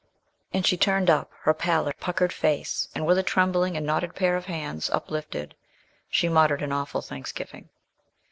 And she turned up her pallid, puckered face, and, with a trembling and knotted pair of hands uplifted, she muttered an awful thanksgiving.